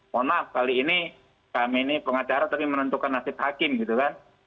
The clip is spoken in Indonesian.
mohon maaf kali ini kami ini pengacara tapi menentukan nasib hakim gitu kan